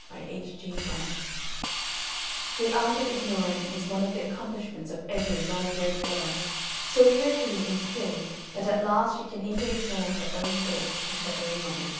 IN PERSPECTIVE "The art of ignoring is one of the accomplishments of every well bred girl, so carefully instilled that at last she can even ignore her own thoughts and her own knowledge."